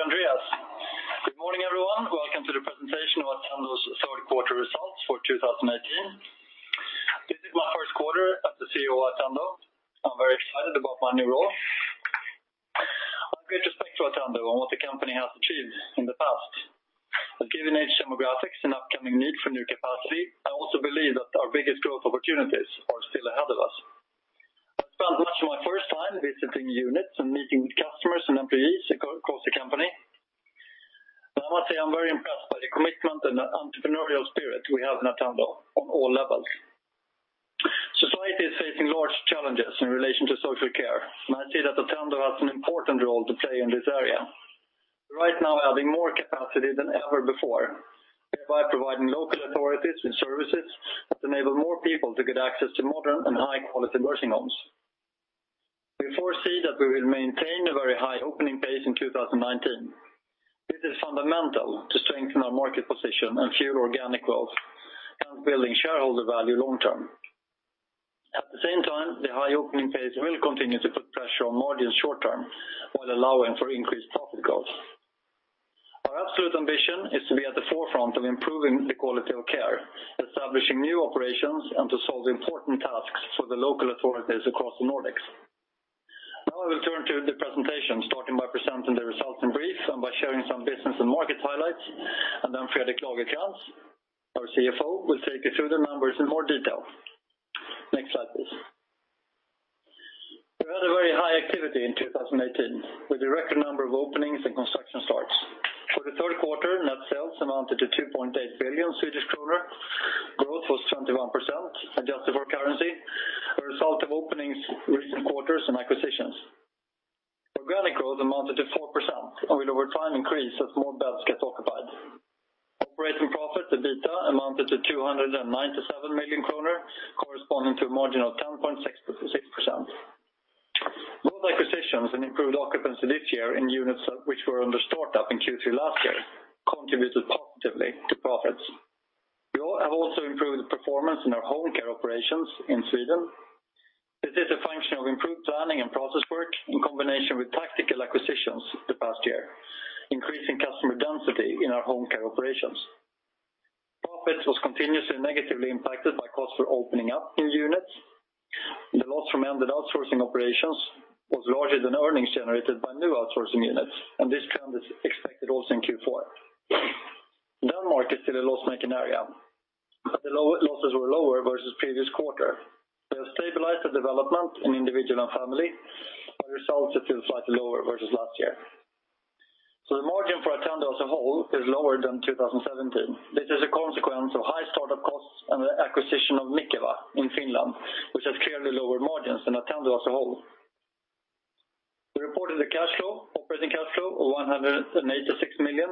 Thank you, Andreas. Good morning, everyone. Welcome to the presentation of Attendo's third quarter results for 2018. This is my first quarter as the CEO of Attendo. I'm very excited about my new role. I have great respect for Attendo and what the company has achieved in the past. Given its demographics and upcoming need for new capacity, I also believe that our biggest growth opportunities are still ahead of us. I've spent much of my first time visiting units and meeting with customers and employees across the company. I must say, I'm very impressed by the commitment and the entrepreneurial spirit we have in Attendo on all levels. Society is facing large challenges in relation to social care, and I see that Attendo has an important role to play in this area. Right now, we're adding more capacity than ever before, thereby providing local authorities with services that enable more people to get access to modern and high-quality nursing homes. We foresee that we will maintain a very high opening pace in 2019. This is fundamental to strengthen our market position and fuel organic growth and building shareholder value long term. At the same time, the high opening pace will continue to put pressure on margins short term while allowing for increased profit growth. Our absolute ambition is to be at the forefront of improving the quality of care, establishing new operations, and to solve important tasks for the local authorities across the Nordics. Now I will turn to the presentation, starting by presenting the results in brief and by sharing some business and market highlights, then Fredrik Lagercrantz, our CFO, will take you through the numbers in more detail. Next slide, please. We had a very high activity in 2018 with a record number of openings and construction starts. For the third quarter, net sales amounted to 2.8 billion Swedish kronor. Growth was 21%, adjusted for currency, a result of openings recent quarters and acquisitions. Organic growth amounted to 4% and will over time increase as more beds get occupied. Operating profit, the EBITDA, amounted to 297 million kronor, corresponding to a margin of 10.6%. Both acquisitions and improved occupancy this year in units which were under startup in Q3 last year contributed positively to profits. We have also improved the performance in our home care operations in Sweden. This is a function of improved planning and process work in combination with tactical acquisitions the past year, increasing customer density in our home care operations. Profits was continuously negatively impacted by costs for opening up new units. The loss from ended outsourcing operations was larger than earnings generated by new outsourcing units, this trend is expected also in Q4. Denmark is still a loss-making area, the losses were lower versus the previous quarter. They have stabilized the development in IOF, results are still slightly lower versus last year. The margin for Attendo as a whole is lower than 2017. This is a consequence of high startup costs and the acquisition of Mikeva in Finland, which has clearly lowered margins in Attendo as a whole. We reported the operating cash flow of 186 million.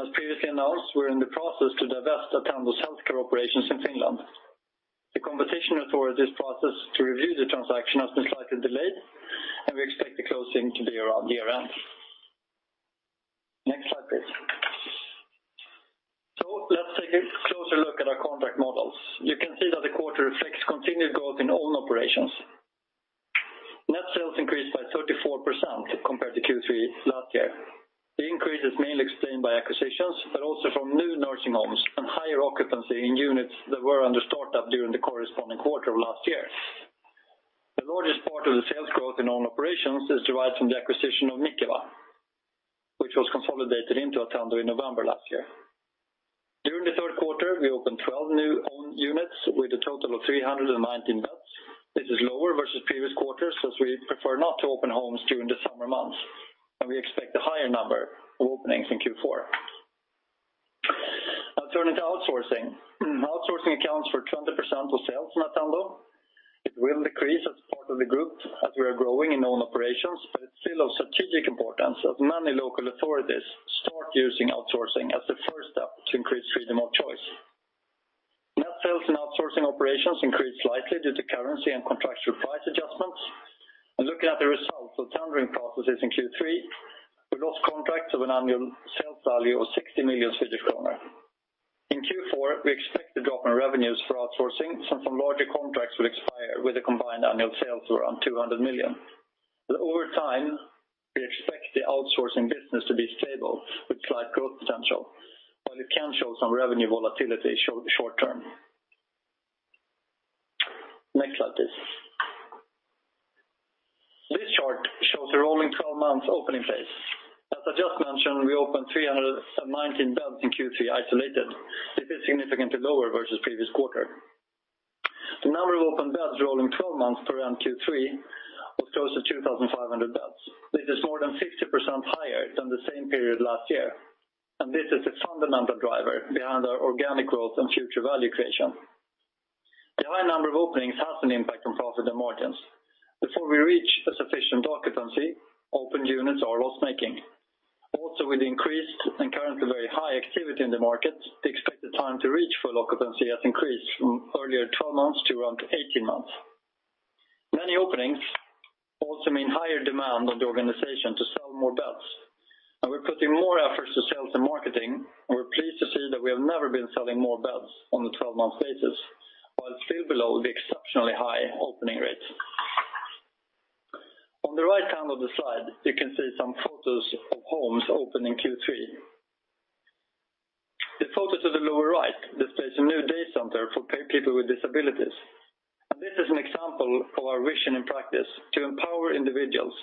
As previously announced, we're in the process to divest Attendo's healthcare operations in Finland. The competition authority's process to review the transaction has been slightly delayed, we expect the closing to be around year-end. Let's take a closer look at our contract models. You can see that the quarter reflects continued growth in own operations. Net sales increased by 34% compared to Q3 last year. The increase is mainly explained by acquisitions, but also from new nursing homes and higher occupancy in units that were under startup during the corresponding quarter of last year. The largest part of the sales growth in own operations is derived from the acquisition of Mikeva, which was consolidated into Attendo in November last year. During the third quarter, we opened 12 new own units with a total of 319 beds. This is lower versus previous quarters as we prefer not to open homes during the summer months, and we expect a higher number of openings in Q4. Turning to outsourcing. Outsourcing accounts for 20% of sales in Attendo. It will decrease as part of the group as we are growing in own operations, but it's still of strategic importance as many local authorities start using outsourcing as the first step to increase freedom of choice. Net sales and outsourcing operations increased slightly due to currency and contractual price adjustments. Looking at the results of tendering processes in Q3, we lost contracts of an annual sales value of 60 million Swedish kronor. In Q4, we expect a drop in revenues for outsourcing since some larger contracts will expire with a combined annual sales of around 200 million. Over time, we expect the outsourcing business to be stable with slight growth potential, while it can show some revenue volatility short-term. Next slide, please. This chart shows a rolling 12 months opening phase. As I just mentioned, we opened 319 beds in Q3 isolated. This is significantly lower versus the previous quarter. The number of open beds rolling 12 months around Q3 was close to 2,500 beds. This is more than 60% higher than the same period last year, and this is a fundamental driver behind our organic growth and future value creation. The high number of openings has an impact on profit and margins. Before we reach a sufficient occupancy, open units are loss-making. Also, with increased and currently very high activity in the market, the expected time to reach full occupancy has increased from earlier 12 months to around 18 months. Many openings also mean higher demand on the organization to sell more beds, and we're putting more efforts to sales and marketing, and we're pleased to see that we have never been selling more beds on a 12-month basis. Still below the exceptionally high opening rates. On the right side of the slide, you can see some photos of homes opened in Q3. The photo to the lower right displays a new day center for people with disabilities, and this is an example of our vision in practice to empower individuals.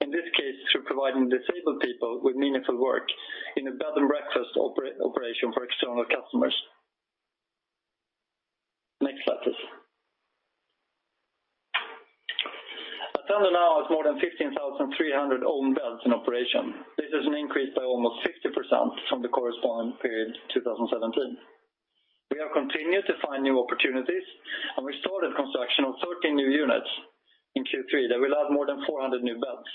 In this case, through providing disabled people with meaningful work in a bed and breakfast operation for external customers. Next slide, please. Attendo now has more than 15,300 owned beds in operation. This is an increase by almost 50% from the corresponding period 2017. We have continued to find new opportunities, and we started construction on 13 new units in Q3 that will add more than 400 new beds.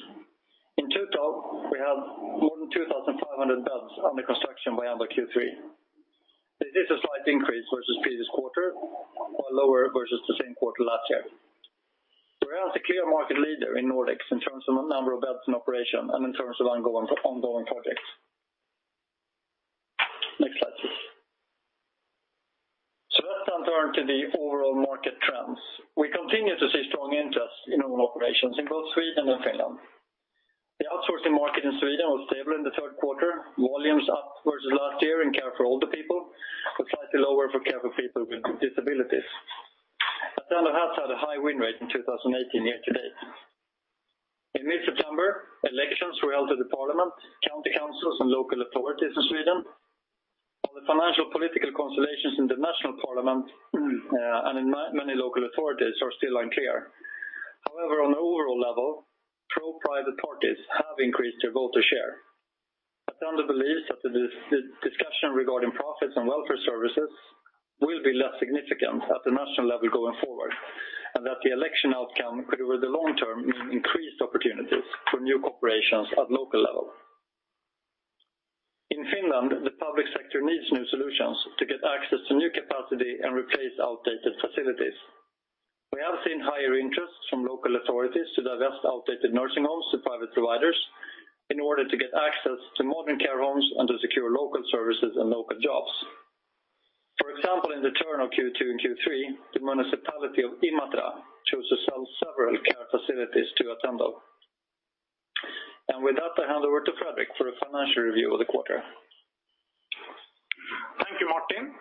In total, we have more than 2,500 beds under construction by end of Q3. This is a slight increase versus the previous quarter, while lower versus the same quarter last year. We are the clear market leader in Nordics in terms of number of beds in operation and in terms of ongoing projects. Next slide, please. Let's now turn to the overall market trends. We continue to see strong interest in our operations in both Sweden and Finland. The outsourcing market in Sweden was stable in the third quarter, volumes up versus last year in care for older people, but slightly lower for care for people with disabilities. Attendo has had a high win rate in 2018 year-to-date. In mid-September, elections were held to the parliament, county councils and local authorities in Sweden. While the financial political constellations in the national parliament and in many local authorities are still unclear. On the overall level, pro-private parties have increased their voter share. Attendo believes that the discussion regarding profits and welfare services will be less significant at the national level going forward, and that the election outcome could, over the long term, mean increased opportunities for new operations at local level. In Finland, the public sector needs new solutions to get access to new capacity and replace outdated facilities. We have seen higher interest from local authorities to divest outdated nursing homes to private providers in order to get access to modern care homes and to secure local services and local jobs. For example, in the turn of Q2 and Q3, the municipality of Imatra chose to sell several care facilities to Attendo. With that, I hand over to Fredrik for a financial review of the quarter. Thank you, Martin.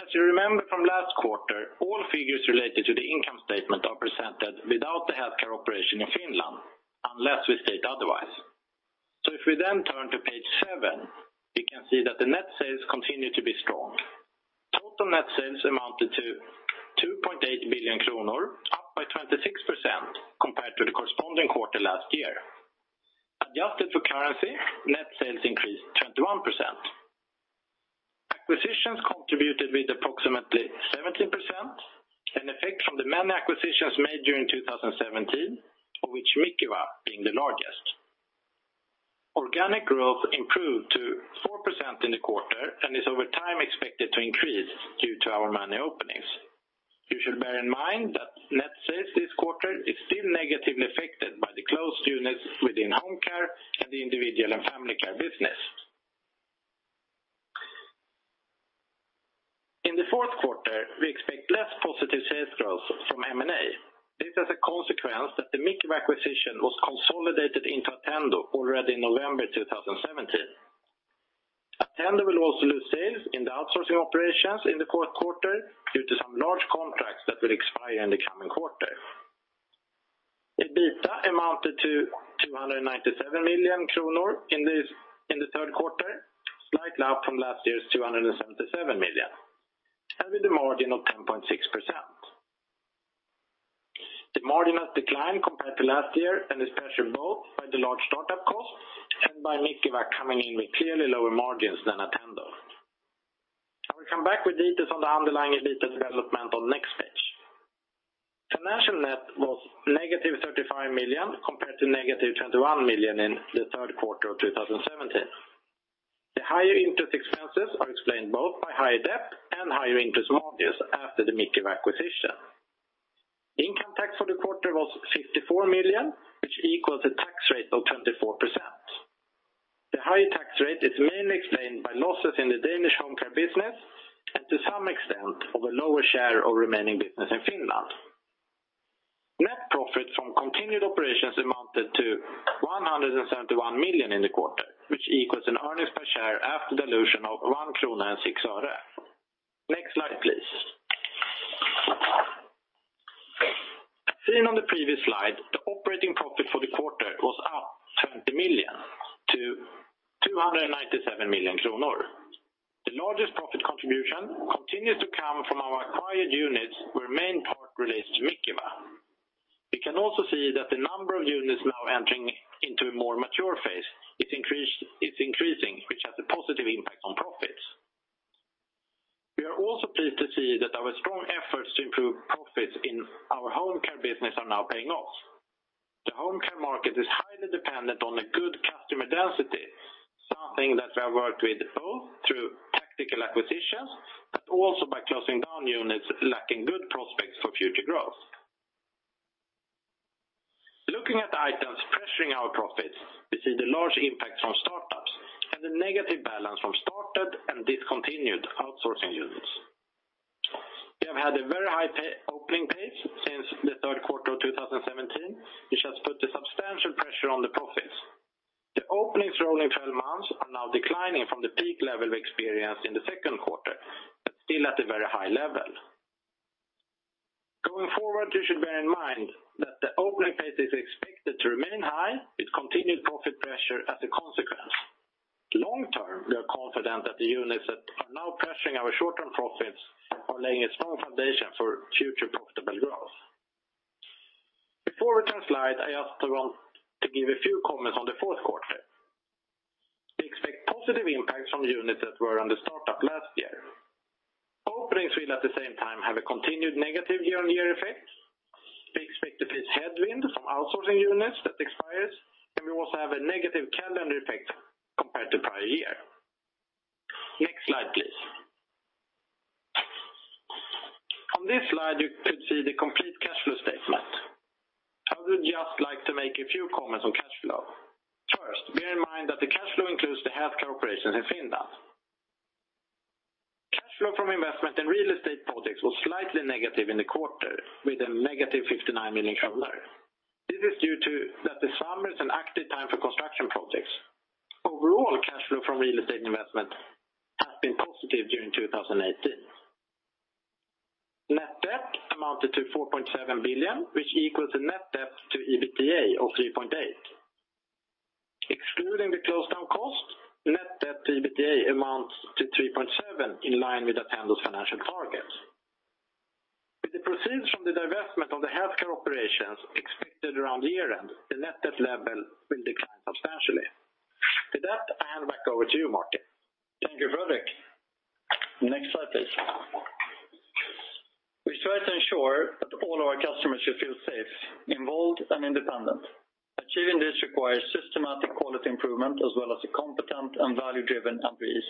As you remember from last quarter, all figures related to the income statement are presented without the healthcare operation in Finland, unless we state otherwise. If we turn to page seven, we can see that the net sales continue to be strong. Total net sales amounted to 2.8 billion kronor, up by 26% compared to the corresponding quarter last year. Adjusted for currency, net sales increased 21%. Acquisitions contributed with approximately 17%, an effect from the many acquisitions made during 2017, of which Mikeva being the largest. Organic growth improved to 4% in the quarter and is over time expected to increase due to our many openings. You should bear in mind that net sales this quarter is still negatively affected by the closed units within home care and the individual and family care business. In the fourth quarter, we expect less positive sales growth from M&A. This as a consequence that the Mikeva acquisition was consolidated into Attendo already in November 2017. Attendo will also lose sales in the outsourcing operations in the fourth quarter due to some large contracts that will expire in the coming quarter. EBITDA amounted to 297 million kronor in the third quarter, slightly up from last year's 277 million SEK, and with a margin of 10.6%. The margin has declined compared to last year and is pressured both by the large startup costs and by Mikeva coming in with clearly lower margins than Attendo. I will come back with details on the underlying EBITDA development on the next page. Financial net was negative 35 million SEK compared to negative 21 million SEK in the third quarter of 2017. The higher interest expenses are explained both by higher debt and higher interest margins after the Mikeva acquisition. Income tax for the quarter was 54 million, which equals a tax rate of 24%. The higher tax rate is mainly explained by losses in the Danish home care business and to some extent of a lower share of remaining business in Finland. Net profit from continued operations amounted to 171 million in the quarter, which equals an earnings per share after dilution of 1.06 krona. Next slide, please. As seen on the previous slide, the operating profit for the quarter was up 70 million to 297 million kronor. The largest profit contribution continues to come from our acquired units where main part relates to Mikeva. We can also see that the number of units now entering into a more mature phase is increasing, which has a positive impact on profits. We are also pleased to see that our strong efforts to improve profits in our home care business are now paying off. The home care market is highly dependent on a good customer density, something that we have worked with both through tactical acquisitions, but also by closing down units lacking good prospects for future growth. Looking at the items pressuring our profits, we see the large impact from startups and the negative balance from started and discontinued outsourcing units. We have had a very high opening pace since the third quarter of 2017, which has put a substantial pressure on the profits. The openings rolling 12 months are now declining from the peak level we experienced in the second quarter, but still at a very high level. Going forward, you should bear in mind that the opening pace is expected to remain high with continued profit pressure as a consequence. Long-term, we are confident that the units that are now pressuring our short-term profits are laying a strong foundation for future profitable growth. Before we turn slides, I just want to give a few comments on the fourth quarter. We expect positive impacts from units that were under startup last year. Openings will at the same time have a continued negative year-on-year effect. We expect a pace headwind from outsourcing units that expires, and we also have a negative calendar effect compared to prior year. Next slide, please. On this slide, you could see the complete cash flow statement. I would just like to make a few comments on cash flow. First, bear in mind that the cash flow includes the health care operations in Finland. Cash flow from investment in real estate projects was slightly negative in the quarter with a negative 59 million kronor. This is due to that the summer is an active time for construction projects. Overall, cash flow from real estate investment has been positive during 2018. Net debt amounted to 4.7 billion, which equals the net debt to EBITDA of 3.8. Excluding the close down cost, net debt to EBITDA amounts to 3.7 in line with Attendo's financial targets. With the proceeds from the divestment of the healthcare operations expected around the year-end, the net debt level will decline substantially. With that, I hand back over to you, Martin. Thank you, Fredrik. Next slide, please. We try to ensure that all our customers should feel safe, involved, and independent. Achieving this requires systematic quality improvement as well as a competent and value-driven employees.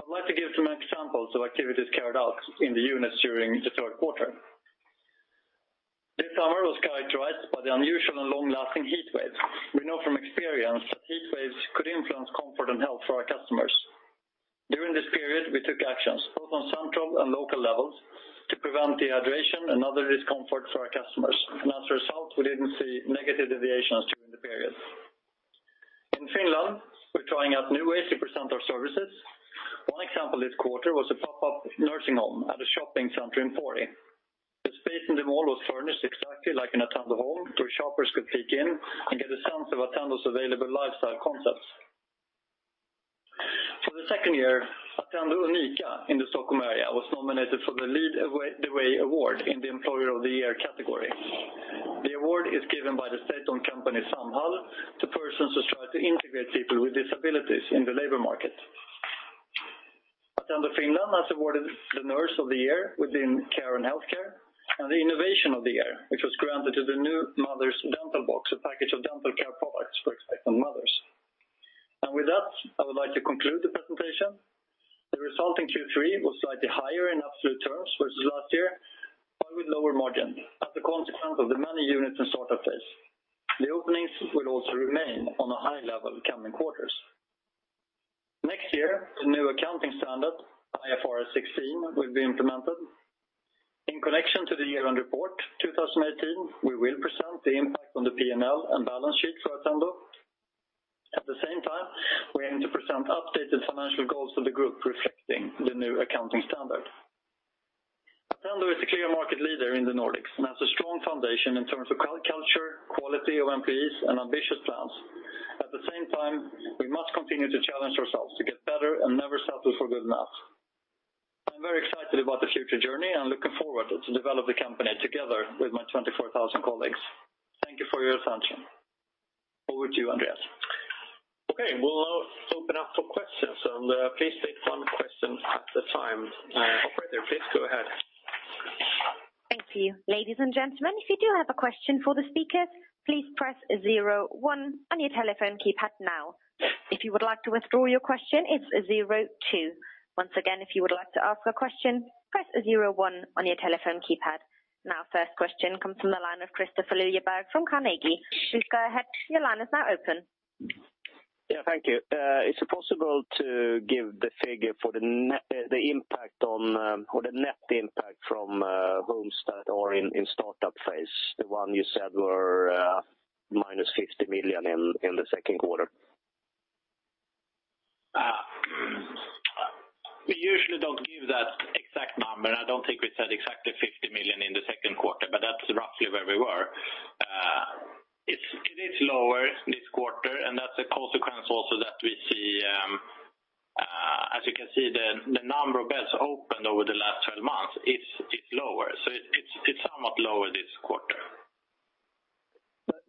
I'd like to give some examples of activities carried out in the units during the third quarter. This summer was characterized by the unusual and long-lasting heat wave. We know from experience that heat waves could influence comfort and health for our customers. During this period, we took actions both on central and local levels to prevent dehydration and other discomfort for our customers. As a result, we didn't see negative deviations during the period. In Finland, we're trying out new ways to present our services. One example this quarter was a pop-up nursing home at a shopping center in Pori. The space in the mall was furnished exactly like an Attendo home, where shoppers could peek in and get a sense of Attendo's available lifestyle concepts. For the second year, Attendo Unika in the Stockholm area was nominated for the Lead the Way Award in the employer of the year category. The award is given by the state-owned company Samhall to persons who try to integrate people with disabilities in the labor market. Attendo Finland has awarded the Nurse of the Year within care and healthcare, the Innovation of the Year, which was granted to the new mother's dental box, a package of dental care products for expectant mothers. With that, I would like to conclude the presentation. The result in Q3 was slightly higher in absolute terms versus last year, but with lower margin as a consequence of the many units in startup phase. The openings will also remain on a high level in coming quarters. Next year, the new accounting standard, IFRS 16, will be implemented. In connection to the year-end report 2018, we will present the impact on the P&L and balance sheet for Attendo. At the same time, we aim to present updated financial goals for the group reflecting the new accounting standard. Attendo is a clear market leader in the Nordics and has a strong foundation in terms of culture, quality of employees, and ambitious plans. At the same time, we must continue to challenge ourselves to get better and never settle for good enough. I'm very excited about the future journey and looking forward to develop the company together with my 24,000 colleagues. Thank you for your attention. Over to you, Andreas. Okay, we'll now open up for questions, please take one question at a time. Operator, please go ahead. Thank you. Ladies and gentlemen, if you do have a question for the speakers, please press zero one on your telephone keypad now. If you would like to withdraw your question, it's zero two. Once again, if you would like to ask a question, press zero one on your telephone keypad. First question comes from the line of Kristofer Liljeberg from Carnegie. Please go ahead. Your line is now open. Thank you. Is it possible to give the figure for the net impact from homes that are in startup phase? The one you said were minus 50 million in the second quarter. We usually don't give that exact number. I don't think we said exactly 50 million in the second quarter, but that's roughly where we were. It is lower this quarter, that's a consequence also that we see. As you can see, the number of beds opened over the last 12 months is lower. It's somewhat lower this quarter.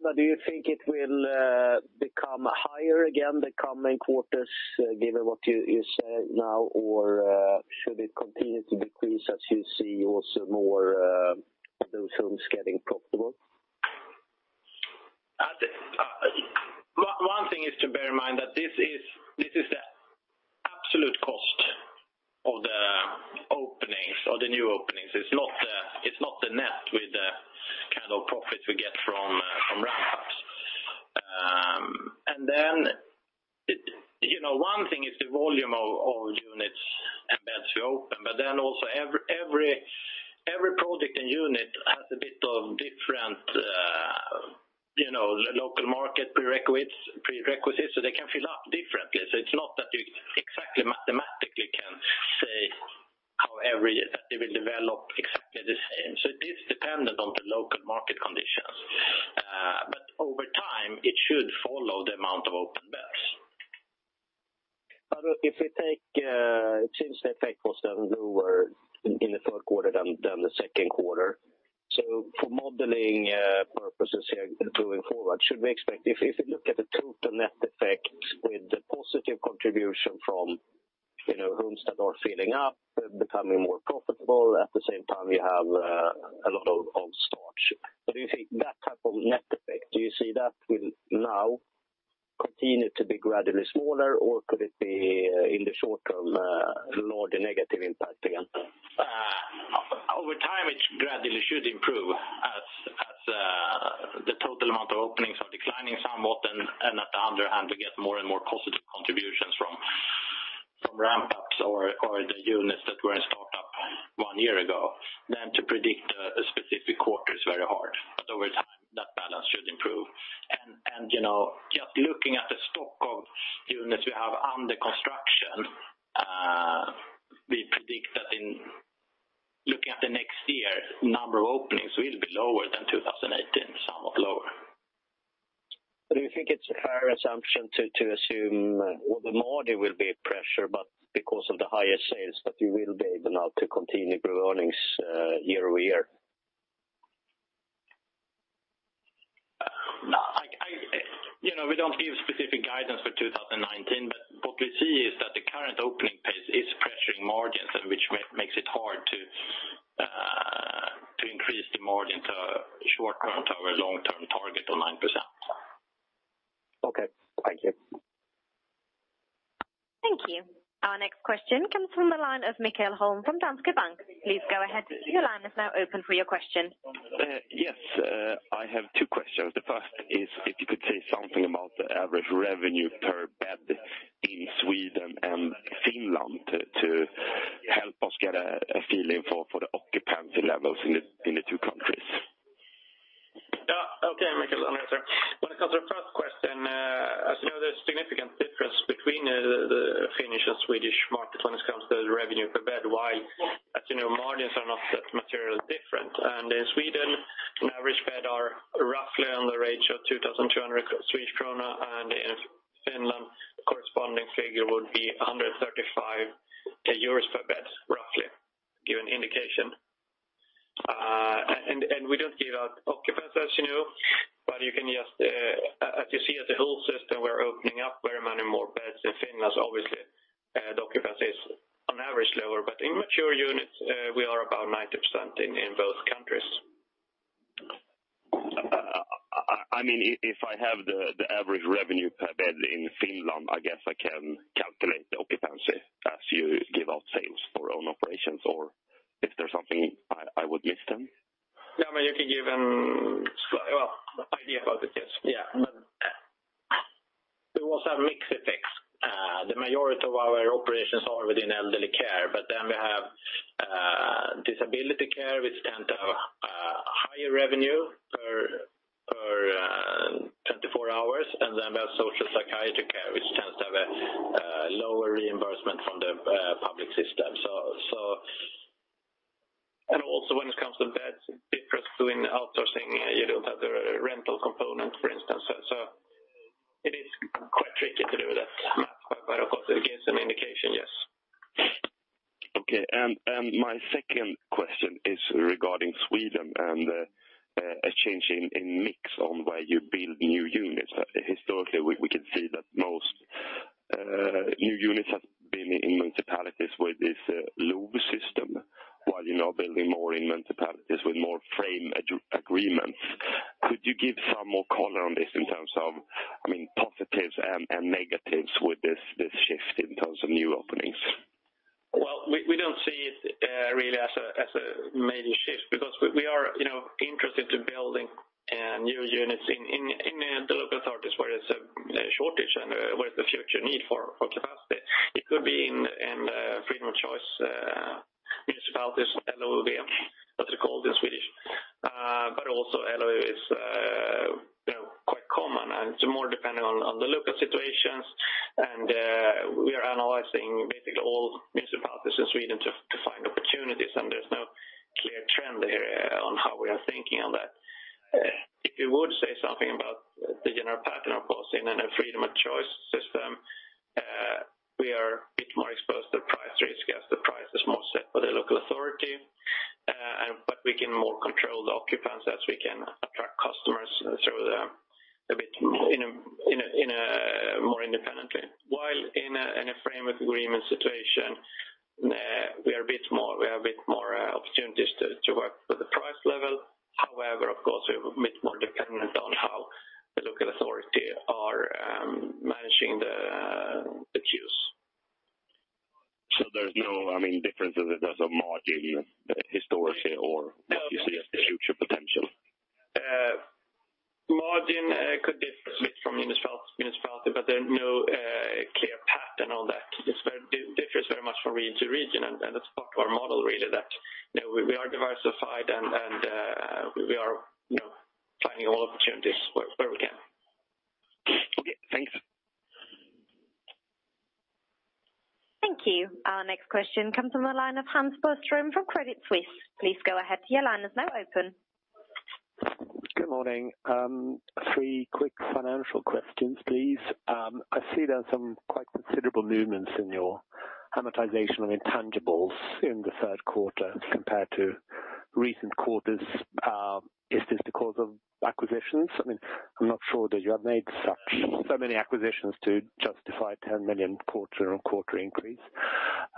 Do you think it will become higher again the coming quarters given what you say now or should it continue to decrease as you see also more of those homes getting profitable? One thing is to bear in mind that this is the absolute cost of the new openings. It's not the net with the kind of profits we get from ramp-ups. One thing is the volume of units and beds we open, but also every product and unit has a bit of different local market prerequisites, so they can fill up differently. It's not that you exactly mathematically can say how that they will develop exactly the same. It is dependent on the local market conditions. Over time, it should follow the amount of open beds. Look, since the effect was then lower in the third quarter than the second quarter. For modeling purposes here going forward, should we expect, if you look at the total net effect with the positive contribution from homes that are filling up, becoming more profitable, at the same time, we have a lot of starts. Do you think that type of net effect, do you see that will now continue to be gradually smaller, or could it be in the short term more the negative impact again? Over time, it gradually should improve as the total amount of openings are declining somewhat, and at the other hand, we get more and more positive contributions from ramp-ups or the units that were in startup one year ago. To predict a specific quarter is very hard. Over time, that balance should improve. Just looking at the stock of units we have under construction, we predict that in looking at the next year, number of openings will be lower than 2018, somewhat lower. Do you think it's a fair assumption to assume, well, the margin will be at pressure, but because of the higher sales that you will be able now to continue to grow earnings year-over-year? What we see is that the current opening pace is pressuring margins, which makes it hard to increase the margin to short term to our long-term target of 9%. Okay. Thank you. Thank you. Our next question comes from the line of Mikael Holm from Danske Bank. Please go ahead, your line is now open for your question. Yes. I have two questions. The first is if you could say something about the average revenue per bed in Sweden and Finland to help us get a feeling for the occupancy levels in the two countries. Yeah. Okay, Mikael. When it comes to the first question, as you know, there's significant difference between the Finnish and Swedish market when it comes to the revenue per bed, while as you know, margins are not that materially different. In Sweden, an average bed are roughly on the range of 2,200 Swedish krona, and in Finland, the corresponding figure would be 135 euros per bed, roughly. Give an indication. We don't give out occupancy, as you know, but you can just, as you see as a whole system, we're opening up very many more beds in Finland, obviously, the occupancy is on average lower, but in mature units, we are about 90% in both countries. If I have the average revenue per bed in Finland, I guess I can calculate the occupancy as you give out sales for own operations, or is there something I would miss then? Yeah, you could give an idea about it, yes. There was a mixed effect. The majority of our operations are within elderly care, but then we have disability care, which tends to have a higher revenue per 24 hours. Then we have social psychiatric care, which tends to have a lower reimbursement from the public system. So, and also when it comes to beds difference doing outsourcing, you don't have the rental component, for instance. So it is quite tricky to do that math. But of course, it gives an indication, yes. Okay. My second question is regarding Sweden and a change in mix on where you build new units. Historically, we can see that most new units have been in municipalities where there's a LOU system, while you're now building more in municipalities with more frame agreements. Could you give some more color on this in terms of positives and negatives with this shift in terms of new openings? Well, we don't see it really as a major shift because we are interested to building new units in the local authorities where there's a shortage and where there's a future need for capacity. It could be in the freedom of choice municipalities, LOV, that's what they're called in Swedish. Also LOV is quite common, and it's more dependent on the local situations. We are analyzing basically all municipalities in Sweden to find opportunities, there's no clear trend there on how we are thinking on that. If you would say something about the general pattern, of course, in a freedom of choice system, we are a bit more exposed to price risk as the price is more set by the local authority. We can more control the occupants as we can attract customers a bit more independently. While in a framework agreement situation, we have a bit more opportunities to work with the price level. However, of course, we're a bit more dependent on how the local authority are managing the queues. There's no differences in terms of margin historically or what you see as the future potential? Margin could differ a bit from municipality to municipality, there are no clear pattern on that. It differs very much from region to region, that's part of our model, really, that we are diversified and we are finding all opportunities where we can. Okay. Thanks. Thank you. Our next question comes from the line of Hans Boström from Credit Suisse. Please go ahead. Your line is now open. Good morning. Three quick financial questions, please. I see there's some quite considerable movements in your amortization of intangibles in the third quarter compared to recent quarters. Is this the cause of acquisitions? I'm not sure that you have made so many acquisitions to justify 10 million quarterly on quarterly increase.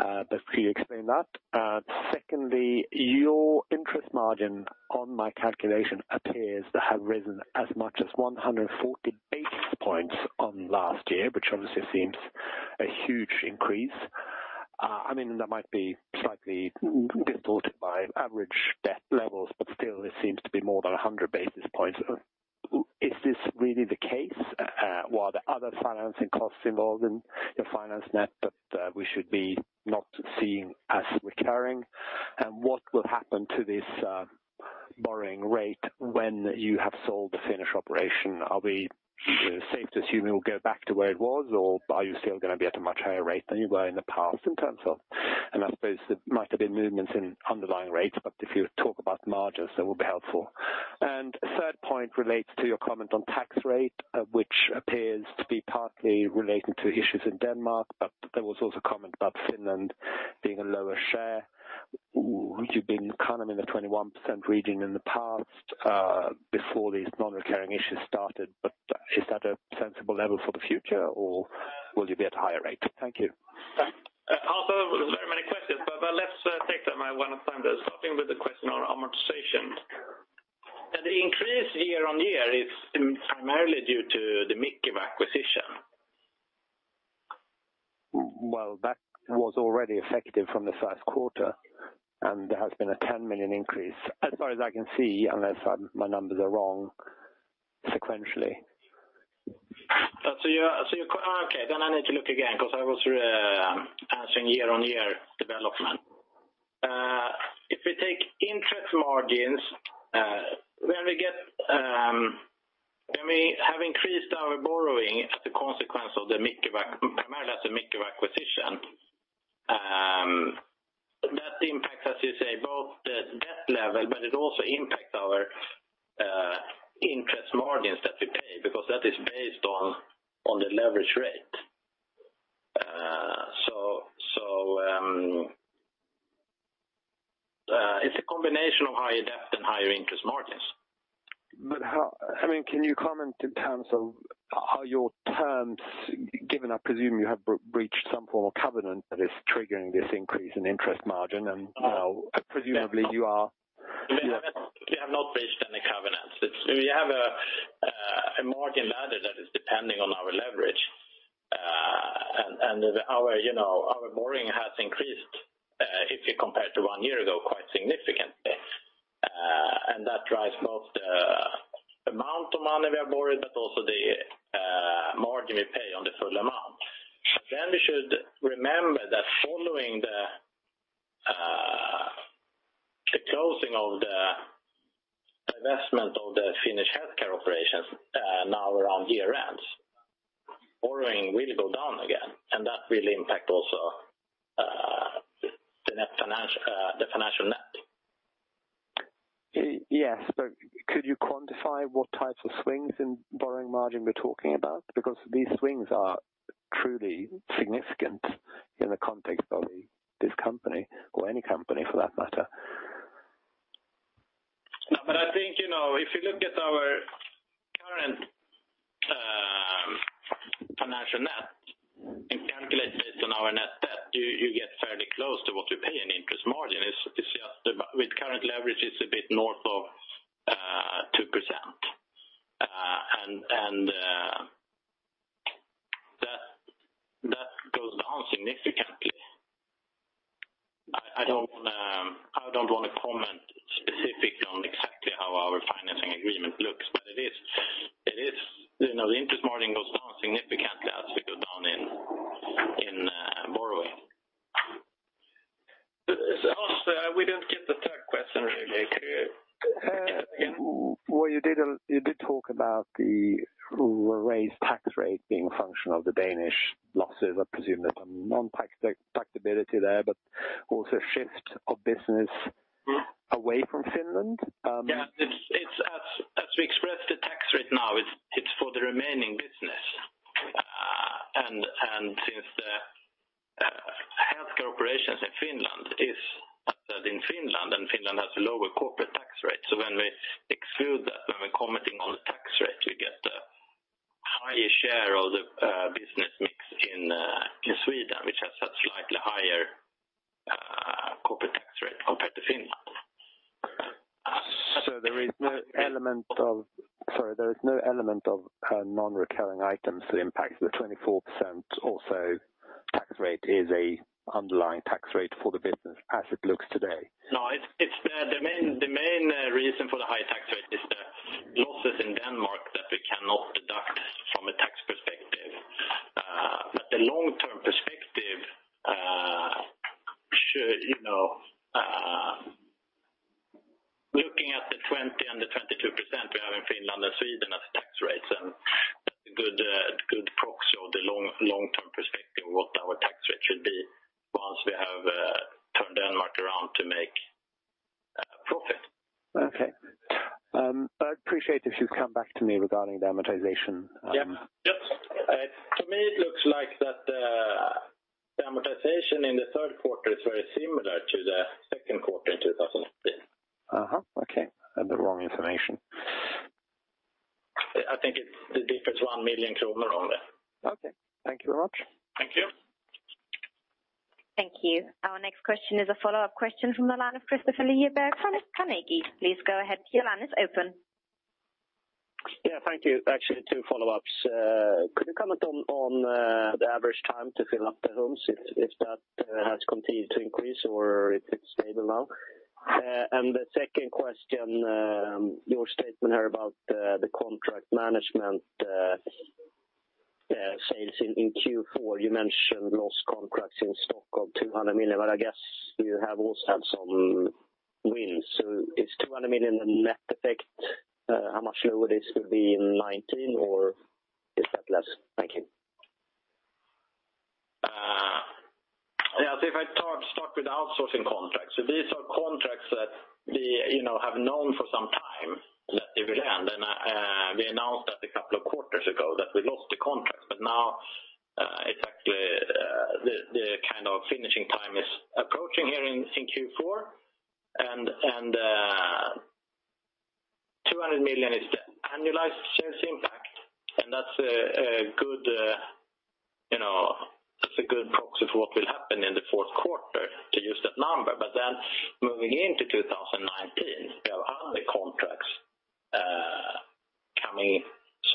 Could you explain that? Secondly, your interest margin on my calculation appears to have risen as much as 140 basis points on last year, which obviously seems a huge increase. That might be slightly distorted by average debt levels, but still it seems to be more than 100 basis points. Is this really the case? While the other financing costs involved in your finance net, but we should be not seeing as recurring. What will happen to this borrowing rate when you have sold the Finnish operation? Are we safe to assume it will go back to where it was, or are you still going to be at a much higher rate than you were in the past in terms of, and I suppose there might have been movements in underlying rates, but if you talk about margins, that would be helpful. A third point relates to your comment on tax rate, which appears to be partly relating to issues in Denmark, but there was also comment about Finland being a lower share. You've been in the 21% region in the past before these non-recurring issues started, but is that a sensible level for the future or will you be at a higher rate? Thank you. Very many questions, let's take them one at a time. Starting with the question on amortization. The increase year-on-year is primarily due to the Mikeva acquisition. That was already effective from the first quarter, there has been a 10 million increase as far as I can see, unless my numbers are wrong sequentially. I need to look again because I was answering year-on-year development. If we take interest margins, when we have increased our borrowing as a consequence of primarily the Mikeva acquisition, that impacts, as you say, both the debt level, it also impacts our interest margins that we pay because that is based on the leverage rate. It's a combination of higher debt and higher interest margins. Can you comment in terms of how your terms, given I presume you have breached some form of covenant that is triggering this increase in interest margin. We have not breached any covenants. We have a margin ladder that is depending on our leverage. Our borrowing has increased, if you compare it to one year ago, quite significantly. That drives both the amount of money we have borrowed, also the margin we pay on the full amount. We should remember that following the closing of the divestment of the Finnish healthcare operations now around year end, borrowing will go down again, that will impact also the financial net. Yes, could you quantify what types of swings in borrowing margin we're talking about? These swings are truly significant in the context of this company or any company for that matter. I think if you look at our current financial net and calculate based on our net debt, you get fairly close to what we pay in interest margin. With current leverage, it's a bit north of 2%. That goes down significantly. I don't want to comment specifically on exactly how our financing agreement looks, the interest margin goes down significantly as we go down in borrowing. Hans, we didn't get the third question really. You did talk about the raised tax rate being a function of the Danish losses. I presume there's some non-taxability there, also shift of business away from Finland. Yeah. As we expressed, the tax rate now, it's for the remaining business. Since the health care operations in Finland is in Finland, and Finland has a lower corporate tax rate. When we exclude that, when we're commenting. Which has a slightly higher corporate tax rate compared to Finland. There is no element of non-recurring items that impacts the 24% or so tax rate, is an underlying tax rate for the business as it looks today? No, the main reason for the high tax rate is the losses in Denmark that we cannot deduct from a tax perspective. The long-term perspective, looking at the 20% and the 22% we have in Finland and Sweden as tax rates, that's a good proxy of the long-term perspective of what our tax rate should be once we have turned Denmark around to make a profit. Okay. I'd appreciate if you'd come back to me regarding the amortization. Yes. To me it looks like that the amortization in the third quarter is very similar to the second quarter in 2015. Okay. I had the wrong information. I think it differs 1 million kronor only. Okay. Thank you very much. Thank you. Thank you. Our next question is a follow-up question from the line of Kristofer Liljeberg from Carnegie. Please go ahead. Your line is open. Yeah. Thank you. Actually, two follow-ups. Could you comment on the average time to fill up the homes if that has continued to increase or if it's stable now? I guess you have also had some wins. Is SEK 200 million the net effect how much lower this will be in 2019 or is that less? Thank you. Yeah. If I start with outsourcing contracts. These are contracts that we have known for some time that they will end. We announced that a couple of quarters ago that we lost the contract. Now exactly the kind of finishing time is approaching here in Q4 and 200 million is the annualized sales impact, and that's a good proxy for what will happen in the fourth quarter to use that number. Moving into 2019, we have other contracts coming,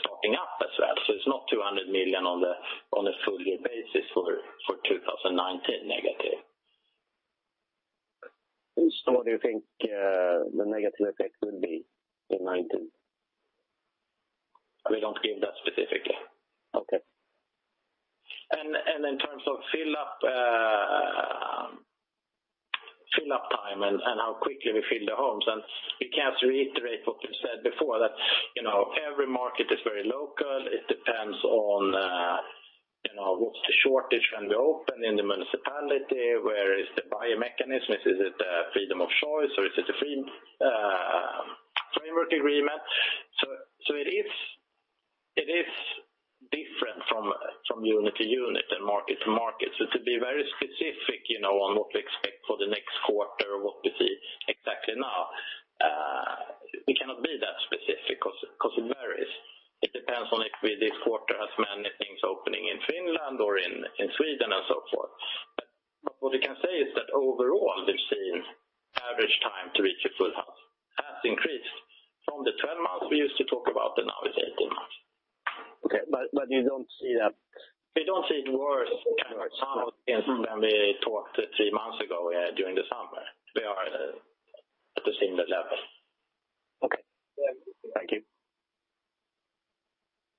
starting up as well. It's not 200 million on a full year basis for 2019 negative. What do you think the negative effect will be in 2019? We don't give that specifically. Okay. In terms of fill-up time and how quickly we fill the homes, we can reiterate what we've said before, that every market is very local. It depends on what's the shortage when we open in the municipality. Where is the buyer mechanism? Is it the freedom of choice or is it the framework agreement? It is different from unit to unit and market to market. To be very specific on what we expect for the next quarter or what we see exactly now, we cannot be that specific because it varies. It depends on if we this quarter have many things opening in Finland or in Sweden and so forth. What we can say is that overall we've seen average time to reach a full house has increased from the 12 months we used to talk about, and now it's 18 months. Okay. We don't see it worse than we talked three months ago during the summer. We are at the similar level. Okay. Thank you.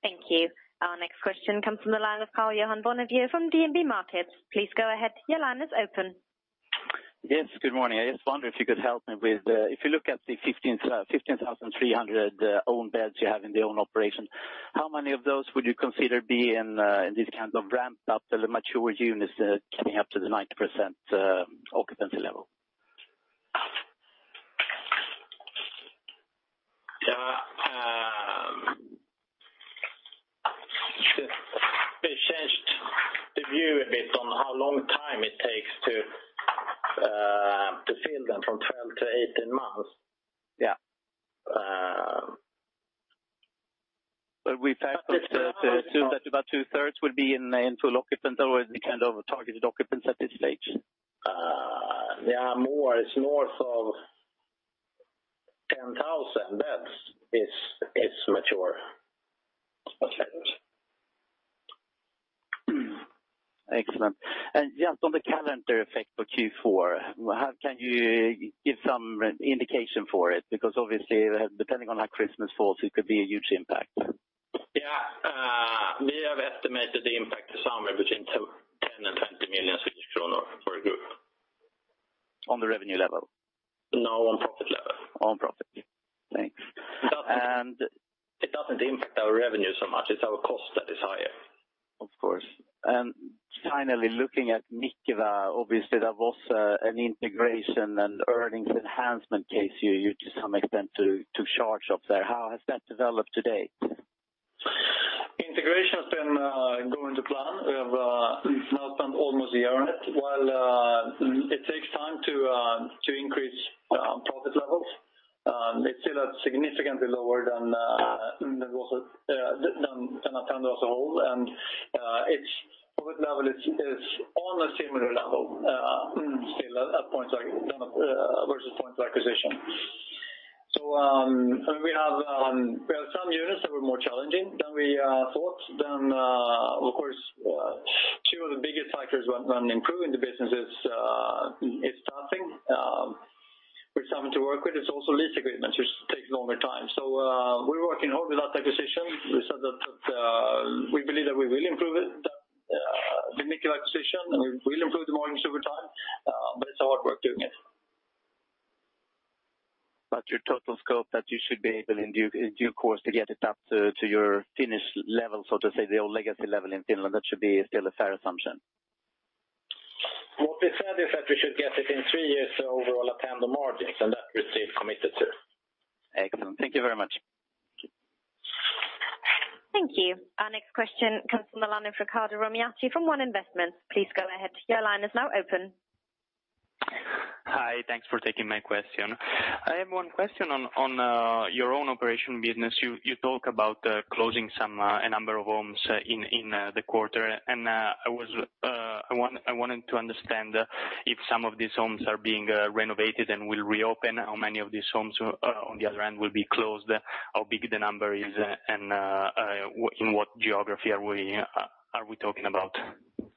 Thank you. Our next question comes from the line of Karl-Johan Bonnevier from DNB Markets. Please go ahead. Your line is open. Yes, good morning. I just wonder if you could help me with, if you look at the 15,300 own beds you have in the own operation, how many of those would you consider be in this kind of ramped up the mature units coming up to the 90% occupancy level? We changed the view a bit on how long time it takes to fill them from 12 to 18 months. Assume that about two-thirds will be in full occupancy or the kind of targeted occupancy at this stage. More. It's north of 10,000 beds is mature. Excellent. Just on the calendar effect for Q4, can you give some indication for it? Because obviously, depending on how Christmas falls, it could be a huge impact. Yeah. We have estimated the impact somewhere between 10 and 20 million Swedish kronor for the group. On the revenue level? No, on profit level. On profit. Thanks. It doesn't impact our revenue so much. It's our cost that is higher. Of course. Finally, looking at Mikeva, obviously there was an integration and earnings enhancement case you to some extent took charge of there. How has that developed to date? Integration has been going to plan. We have now spent almost a year on it while still that's significantly lower than Attendo as a whole, and its profit level is on a similar level versus points of acquisition. We have some units that were more challenging than we thought. Of course, two of the biggest factors when improving the business is staffing, which is something to work with. It's also lease agreements, which take longer time. We're working hard with that acquisition. We said that we believe that we will improve it, that particular acquisition, and we will improve the margins over time, but it's hard work doing it. Your total scope that you should be able in due course to get it up to your Finnish level, so to say, the old legacy level in Finland, that should be still a fair assumption? What we said is that we should get it in three years overall Attendo margins, and that we've committed to. Excellent. Thank you very much. Thank you. Our next question comes from the line of Riccardo Romiati from One Investments. Please go ahead. Your line is now open. Hi, thanks for taking my question. I have one question on your own operation business. You talk about closing a number of homes in the quarter, and I wanted to understand if some of these homes are being renovated and will reopen. How many of these homes on the other end will be closed? How big the number is, and in what geography are we talking about? What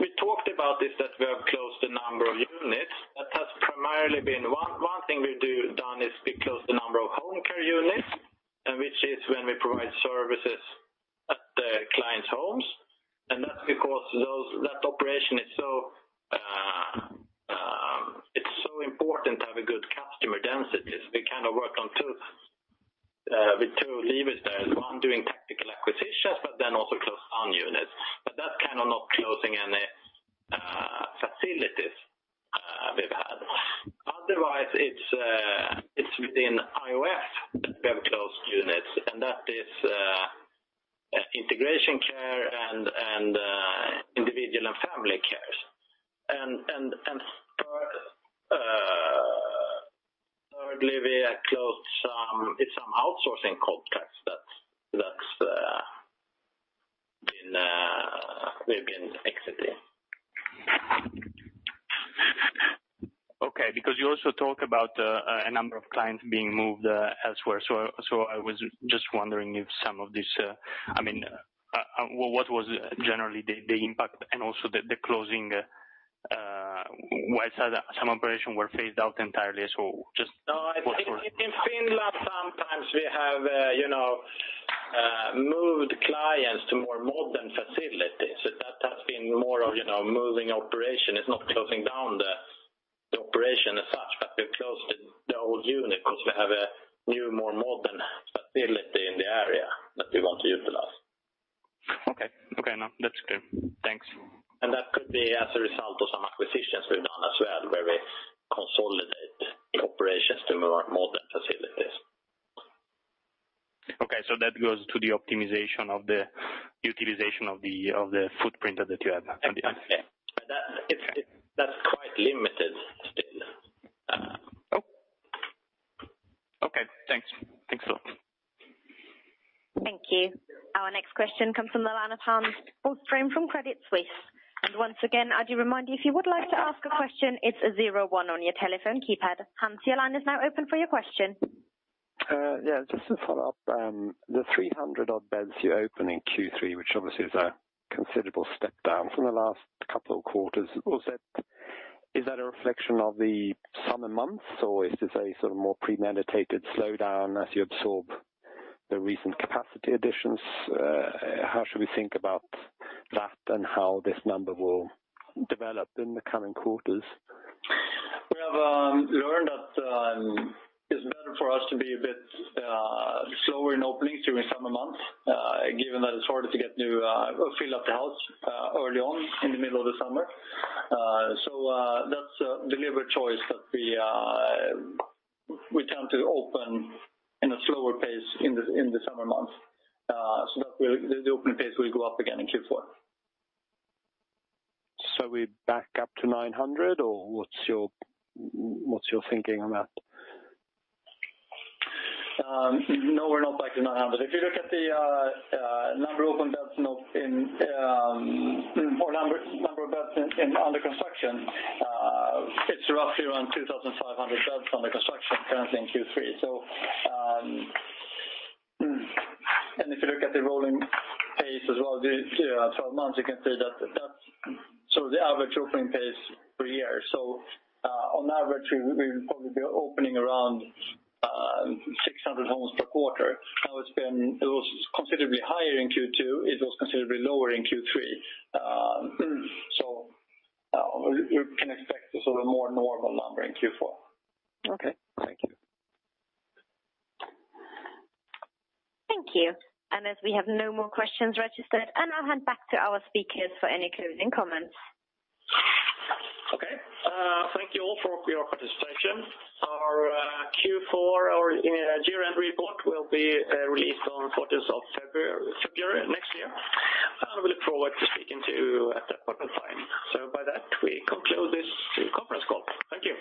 we talked about is that we have closed a number of units. That has primarily been one thing we've done is we closed a number of home care units, which is when we provide services at the client's homes. That's because that operation, it's so important to have a good customer density. We work with two levers there. One, doing tactical acquisitions, then also close down units. That kind of not closing any facilities we've had. Otherwise, it's within IOF that we have closed units, and that is integration care and individual and family cares. Thirdly, we have closed some outsourcing contracts that we've been exiting. Okay, because you also talk about a number of clients being moved elsewhere. I was just wondering what was generally the impact and also the closing, some operations were phased out entirely. No, in Finland, sometimes we have moved clients to more modern facilities. That has been more of moving operation. It's not closing down the operation as such, we've closed the old unit because we have a new, more modern facility in the area that we want to utilize. Okay. Now that's clear. Thanks. That could be as a result of some acquisitions we've done as well, where we consolidate the operations to more modern facilities. Okay, that goes to the optimization of the utilization of the footprint that you have. Yes. That's quite limited still. Okay. Thanks a lot. Thank you. Our next question comes from the line of Hans Boström from Credit Suisse. Once again, I do remind you, if you would like to ask a question, it's a zero one on your telephone keypad. Hans, your line is now open for your question. Yeah, just to follow up, the 300 odd beds you open in Q3, which obviously is a considerable step down from the last couple of quarters. Is that a reflection of the summer months, or is this a sort of more premeditated slowdown as you absorb the recent capacity additions? How should we think about that and how this number will develop in the coming quarters? We have learned that it's better for us to be a bit slower in openings during summer months, given that it's harder to fill up the house early on in the middle of the summer. That's a deliberate choice that we tend to open in a slower pace in the summer months. The opening pace will go up again in Q4. We're back up to 900, or what's your thinking on that? No, we're not back to 900. If you look at the number of beds under construction, it's roughly around 2,500 beds under construction currently in Q3. If you look at the rolling pace as well, 12 months, you can say that that's the average opening pace per year. On average, we will probably be opening around 600 homes per quarter. Now it was considerably higher in Q2. It was considerably lower in Q3. You can expect a more normal number in Q4. Okay. Thank you. Thank you. As we have no more questions registered, and I'll hand back to our speakers for any closing comments. Okay. Thank you all for your participation. Our Q4, our year-end report will be released on 14th of February next year. I look forward to speaking to you at that point in time. By that, we conclude this conference call. Thank you.